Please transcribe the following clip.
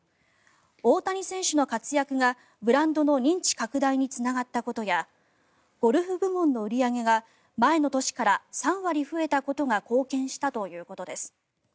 大谷選手の活躍がブランドの認知拡大につながったことやゴルフ部門の売り上げが前の年から３割増えたことが貢献したということです。